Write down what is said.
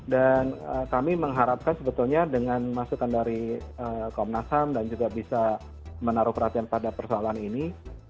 dan kami mengharapkan sebetulnya dengan masukan dari komnas ham dan juga bisa menaruh perhatian pada persoalan ini